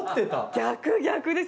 逆逆です。